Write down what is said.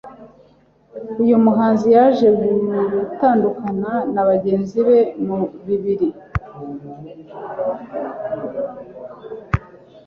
uyu muhanzi yaje gutandukana na bagenzi be mu bibiri